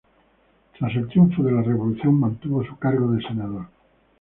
Tras el triunfo de la revolución, mantuvo su cargo de senador.